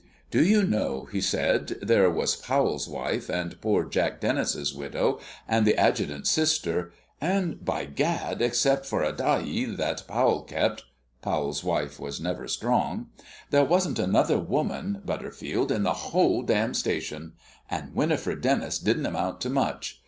"Do you know," he said, "there was Powell's wife, and poor Jack Dennis's widow, and the adjutant's sister; and, by Gad, except for a dahi that Powell kept (Powell's wife was never strong), there wasn't another woman, Butterfield, in the whole damned station! And Winifred Dennis didn't amount to much.